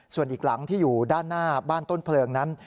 ส่วนอีกหลังที่อยู่ด้านหน้าบ้านต้นเพลิงนั้น